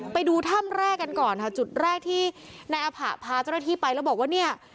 ไปดูถ้ำแรกกันก่อนค่ะจุดแรกที่นายอภะพาเจ้าหน้าที่ไปแล้วบอกว่าเนี่ย